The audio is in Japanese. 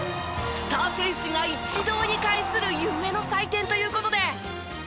スター選手が一堂に会する夢の祭典という事で。